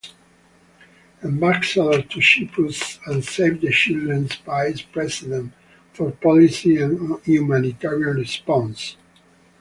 Ambassador to Cyprus and Save the Children’s Vice President for Policy and Humanitarian Response.